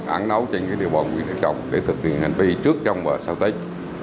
án nấu trên cái điều bò nguyện nữ trọng để thực hiện hành vi trước trong và sau tết